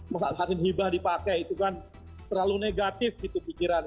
vaksin hibah dipakai itu kan terlalu negatif gitu pikiran